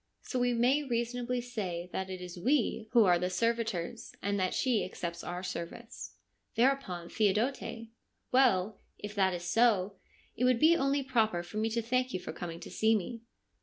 So we may reasonably say that it is we who are the servitors, and that she accepts our service.' Thereupon Theodote :' Well, if that is so, it would be only proper for me to thank you for coming to see me.'